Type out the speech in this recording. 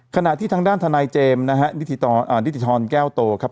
ขณะที่ทางด้านทนายเจมส์นะฮะนิติธรแก้วโตครับ